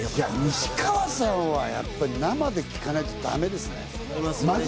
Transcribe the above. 西川さんはやっぱり生で聴かないとだめですね。